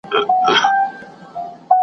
مګر ولي، پښتانه لوستونکي .